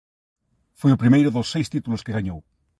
Foi o primeiro dos seis títulos que gañou.